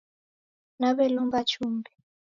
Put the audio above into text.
Nawelomba chumbi